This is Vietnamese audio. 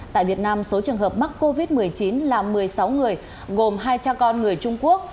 tại việt nam số trường hợp mắc covid một mươi chín là một mươi sáu người gồm hai cha con người trung quốc